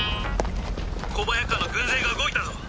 「小早川の軍勢が動いたぞ！」。